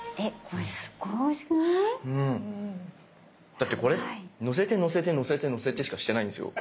だってこれのせてのせてのせてのせてしかしてないんですよ。